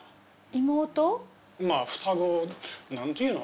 まぁ双子なんていうの？